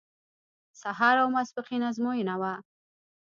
سهار او ماسپښین ازموینه وه.